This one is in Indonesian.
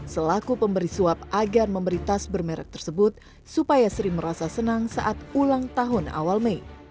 selaku pemberi suap agar memberi tas bermerek tersebut supaya sri merasa senang saat ulang tahun awal mei